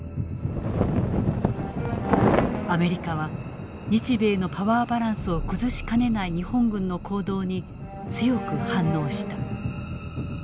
アメリカは日米のパワーバランスを崩しかねない日本軍の行動に強く反応した。